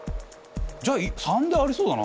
じゃあ③でありそうだな。